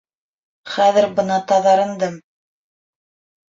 Хәҙер бына таҙарындым.